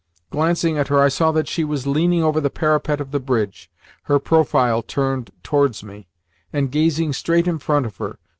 Glancing at her, I saw that she was leaning over the parapet of the bridge, her profile turned towards me, and gazing straight in front of her.